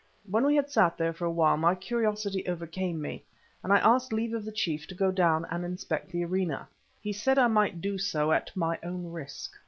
When we had sat there for a while my curiosity overcame me, and I asked leave of the chief to go down and inspect the arena. He said I might do so at my own risk.